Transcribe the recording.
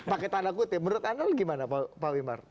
paketanakut ya menurut anda gimana pak wimar